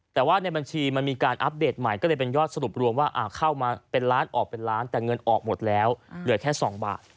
แต่ว่าในบัญชีมันมีการอัปเดตใหม่ก็เลยเป็นยอดสรุปรวมว่าเข้ามาเป็นล้านออกเป็นล้านแต่เงินออกหมดแล้วเหลือแค่๒บาท